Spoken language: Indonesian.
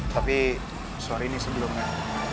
tapi sorry nih sebelumnya